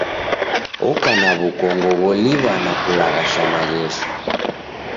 Oka na w'ukongo gholiw'a na kulaghasha maghesho.